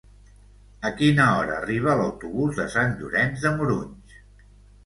A quina hora arriba l'autobús de Sant Llorenç de Morunys?